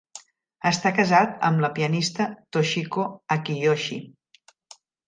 Està casat amb la pianista Toshiko Akiyoshi.